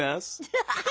ハハハハ！